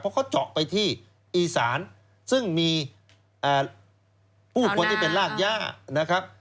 เพราะเขาเจาะไปที่อีสานซึ่งมีผู้คนที่เป็นรากย่านะครับ